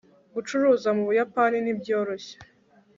gucuruza nu buyapani ntibyoroshye